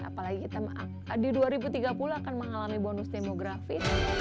apalagi kita di dua ribu tiga puluh akan mengalami bonus demografi